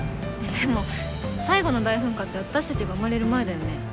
でも最後の大噴火って私たちが生まれる前だよね。